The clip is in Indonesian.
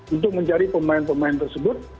untuk mencari pemain pemain tersebut